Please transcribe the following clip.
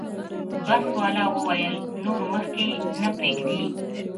بس والا وویل نور مخکې نه پرېږدي.